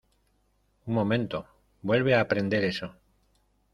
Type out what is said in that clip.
¡ Un momento! ¡ vuelve a prender eso !